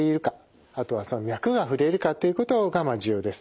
あとは脈が触れるかっていうことが重要です。